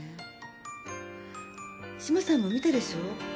志麻さんも見たでしょ？